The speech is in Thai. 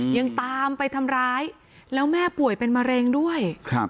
ยังตามไปทำร้ายแล้วแม่ป่วยเป็นมะเร็งด้วยครับ